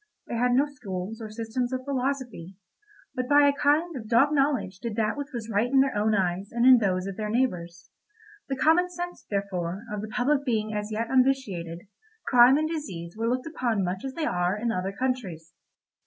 They had no schools or systems of philosophy, but by a kind of dog knowledge did that which was right in their own eyes and in those of their neighbours; the common sense, therefore, of the public being as yet unvitiated, crime and disease were looked upon much as they are in other countries.